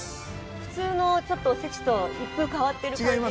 普通のちょっとおせちと一風変わってる感じが。